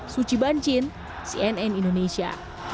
suci bancin cnn indonesia